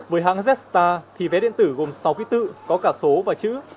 với hãng zstar thì vé điện tử gồm sáu quý tự có cả số và chữ